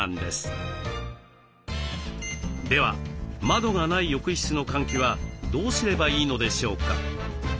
では窓がない浴室の換気はどうすればいいのでしょうか？